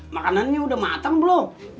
makanannya udah matang belum